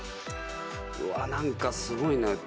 うわなんかすごいな。